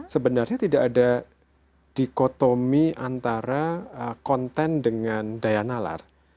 sebenarnya tidak ada dikotomi antara konten dengan daya nalar